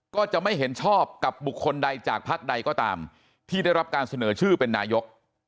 ก็จะไม่เห็นชอบกับบุคคลใดจากพักใดก็ตามที่ได้รับการเสนอชื่อเป็นนายก